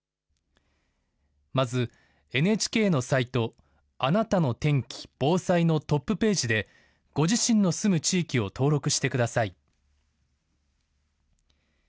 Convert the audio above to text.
まず、ＮＨＫのサイトあなたの天気・防災のトップページでご自身の住む地域を登録してください。